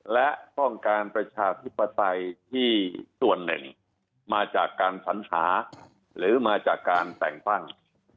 และต้องการประชาธิปไตยที่ส่วนหนึ่งมาจากการสัญหาหรือมาจากการแต่งตั้ง